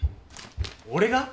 俺が？